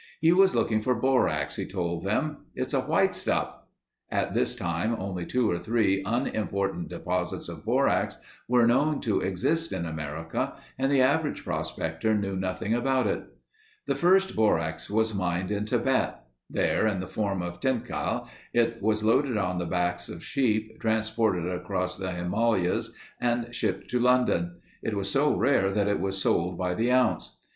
He was looking for borax, he told them. "It's a white stuff...." At this time, only two or three unimportant deposits of borax were known to exist in America and the average prospector knew nothing about it. The first borax was mined in Tibet. There in the form of tincal it was loaded on the backs of sheep, transported across the Himalayas and shipped to London. It was so rare that it was sold by the ounce.